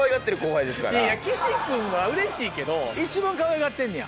岸君はうれしいけど一番かわいがってんねや？